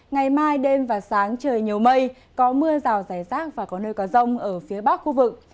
ngày mai đêm và sáng trời nhiều mây có mưa rào rải rác và có nơi có rông ở phía bắc khu vực